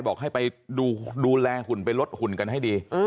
บอกให้ไปดูแลหุ่นไปลดหุ่นกันให้ดี